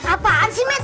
apaan sih memet